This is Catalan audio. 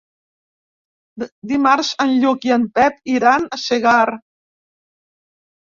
Dimarts en Lluc i en Pep iran a Segart.